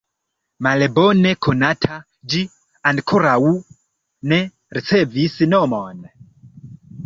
Malbone konata, ĝi ankoraŭ ne ricevis nomon.